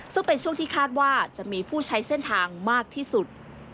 ซึ่งเป็นช่วงที่คาดว่าจะมีผู้ใช้เส้นทางมากที่สุด